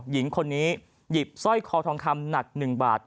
หญิงคนนี้หยิบสร้อยคอทองคำหนัก๑บาท